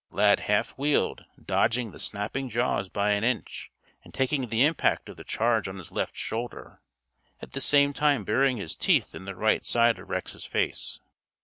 Lad half wheeled, dodging the snapping jaws by an inch and taking the impact of the charge on his left shoulder, at the same time burying his teeth in the right side of Rex's face.